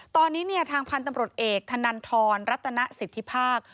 ตอนนี้ทางพันธุ์ตำรวจเอกธนันทรรัตนสิทธิภาค